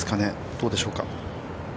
どうでしょうか。